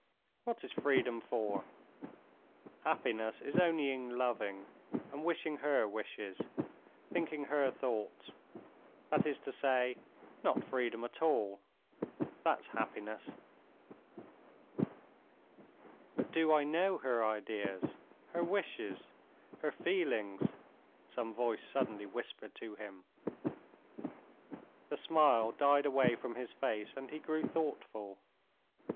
What is freedom for? Happiness is only in loving and wishing her wishes, thinking her thoughts, that is to say, not freedom at all—that's happiness!" "But do I know her ideas, her wishes, her feelings?" some voice suddenly whispered to him. The smile died away from his face, and he grew thoughtful.